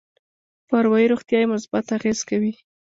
په اروایي روغتيا يې مثبت اغېز کوي.